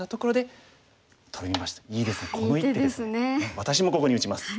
私もここに打ちます。